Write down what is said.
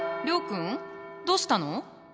諒君どうしたの？